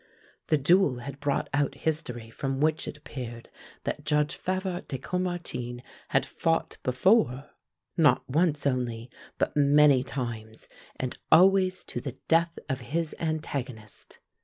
The duel had brought out history from which it appeared that Judge Favart de Caumartin had fought before, not once only, but many times, and always to the death of his antagonist.